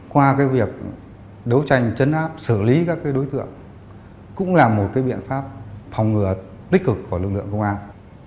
qua việc đấu tranh chấn áp xử lý các đối tượng cũng là một biện pháp phòng ngừa tích cực của lực lượng công an